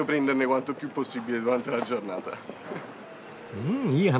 うんいい話！